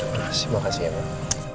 terima kasih ya mama